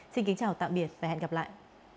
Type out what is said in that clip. xin kính chào tạm biệt và hẹn gặp lại